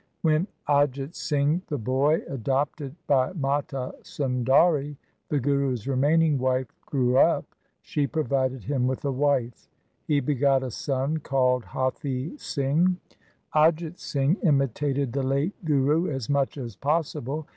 When A jit Singh, the boy adopted by Mata Sundari, the Guru's remaining wife, grew up, she provided him with a wife. He begot a son called Hathi Singh. Ajit Singh imitated the late Guru as much as possible.